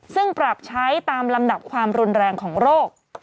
ซึ่งปรับใช้ตามลำดับความรุนแรงของโรค